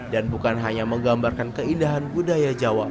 dan bukan hanya menggambarkan keindahan budaya jawa